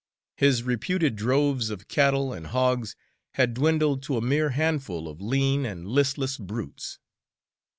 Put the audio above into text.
His reputed droves of cattle and hogs had dwindled to a mere handful of lean and listless brutes.